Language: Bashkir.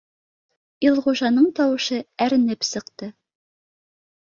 — Илғужаның тауышы әрнеп сыҡты